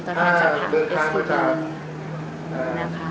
ถ้าเดินข้างหรือจาก